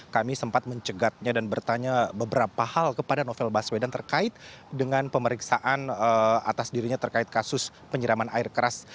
kami sempat mencegatnya dan bertanya beberapa hal kepada novel baswedan terkait dengan pemeriksaan atas dirinya terkait kasus penyiraman air keras